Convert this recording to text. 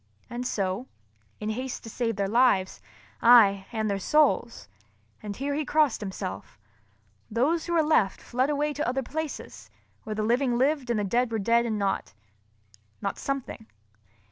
And so, in haste to save their lives (aye, and their souls!—and here he crossed himself) those who were left fled away to other places, where the living lived and the dead were dead and not—not something.